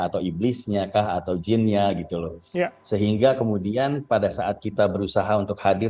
atau iblisnya kah atau jinnya gitu loh ya sehingga kemudian pada saat kita berusaha untuk hadir